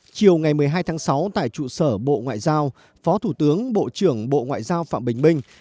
chiều ngày một mươi hai tháng sáu tại trụ sở bộ ngoại giao phó thủ tướng bộ trưởng bộ ngoại giao phạm bình minh